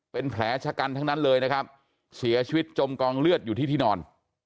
เป็นแผลชะกันทั้งนั้นเลยนะครับเสียชีวิตจมกองเลือดอยู่ที่ที่นอน